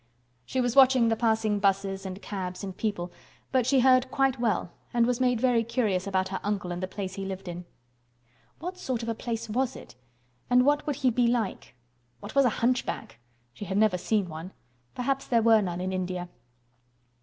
She was watching the passing buses and cabs and people, but she heard quite well and was made very curious about her uncle and the place he lived in. What sort of a place was it, and what would he be like? What was a hunchback? She had never seen one. Perhaps there were none in India.